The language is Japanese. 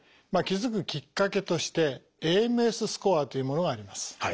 気付くきっかけとして「ＡＭＳスコア」というものがあります。